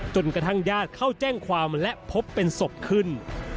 จนกระทั่งญาติเข้าแจ้งความและพบเป็นศพขึ้น